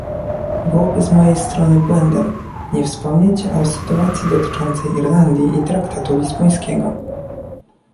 Byłoby z mojej strony błędem nie wspomnieć o sytuacji dotyczącej Irlandii i traktatu lizbońskiego